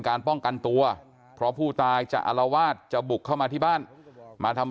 การป้องกันตัวเพราะผู้ตายจะอารวาสจะบุกเข้ามาที่บ้านมาทำ